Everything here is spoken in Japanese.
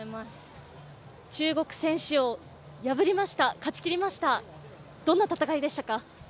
中国選手を破りました、勝ちきりました、どんな戦いでしたか？